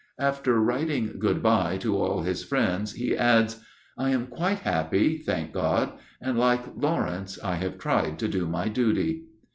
After writing 'Good bye' to all his friends, he adds, 'I am quite happy, thank God; and, like Lawrence, I have tried to do my duty.